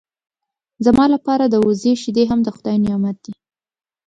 زما لپاره د وزې شیدې هم د خدای نعمت دی.